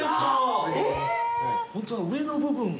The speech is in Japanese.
ホントだ上の部分。